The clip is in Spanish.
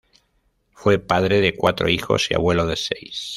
Fue padre de cuatro hijos y abuelo de seis.